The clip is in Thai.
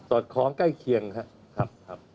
อดคล้องใกล้เคียงครับ